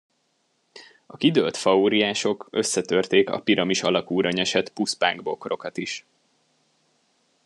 A kidőlt faóriások összetörték a piramis alakúra nyesett puszpángbokrokat is.